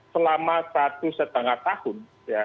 selama satu setengah tahun